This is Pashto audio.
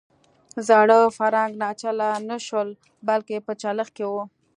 زاړه فرانک ناچله نه شول بلکې په چلښت کې وو.